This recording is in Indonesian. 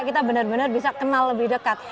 kita benar benar bisa kenal lebih dekat